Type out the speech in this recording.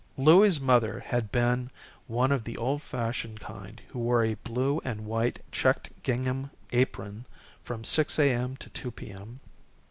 Louie's mother had been one of the old fashioned kind who wore a blue and white checked gingham apron from 6 A.M. to 2 P.M.